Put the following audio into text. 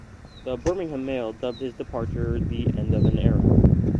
The "Birmingham Mail" dubbed his departure the "end of an era".